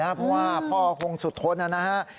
เพราะว่าพ่อคงสุดทนนะฮะ